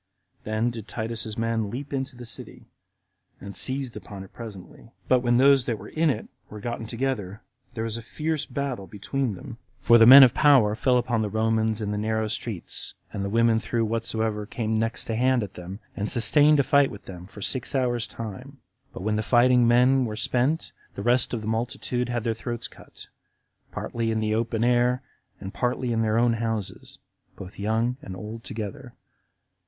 Then did Titus's men leap into the city, and seized upon it presently; but when those that were in it were gotten together, there was a fierce battle between them; for the men of power fell upon the Romans in the narrow streets, and the women threw whatsoever came next to hand at them, and sustained a fight with them for six hours' time; but when the fighting men were spent, the rest of the multitude had their throats cut, partly in the open air, and partly in their own houses, both young and old together.